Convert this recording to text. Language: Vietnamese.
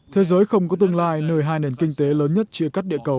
thế giới không có tương lai nơi hai nền kinh tế lớn nhất chia cắt địa cầu